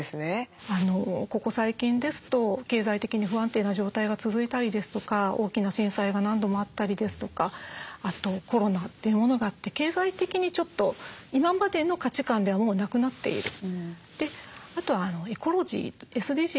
ここ最近ですと経済的に不安定な状態が続いたりですとか大きな震災が何度もあったりですとかあとコロナというものがあって経済的にちょっと今までの価値観ではもうなくなっている。